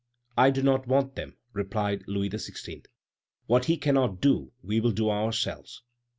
"I do not want them," replied Louis XVI.; "what he cannot do, we will do ourselves.